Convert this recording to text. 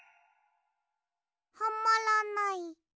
はまらない。